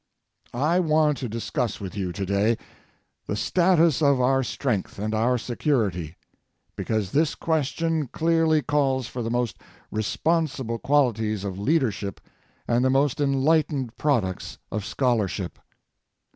I want to discuss with you today the status of our strength and our security because this question clearly calls for the most responsible qualities of leadership and the most enlightened products of scholarship.